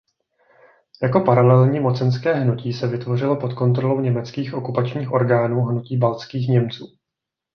Jako paralelní mocenské hnutí se vytvořilo pod kontrolou německých okupačních orgánů hnutí baltských Němců.